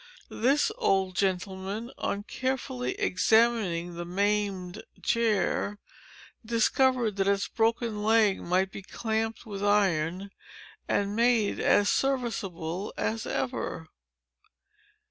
This old gentleman, on carefully examining the maimed chair, discovered that its broken leg might be clamped with iron and made as serviceable as ever."